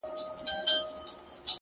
• سمدستي سو پوه د زرکي له پروازه ,